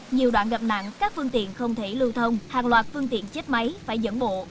nhiều đoạn gặp nạn các phương tiện không thể lưu thông hàng loạt phương tiện chết máy phải dẫn bộ